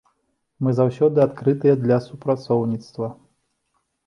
Мы заўсёды адкрытыя для супрацоўніцтва.